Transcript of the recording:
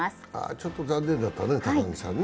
ちょっと残念だったね、高木さんね。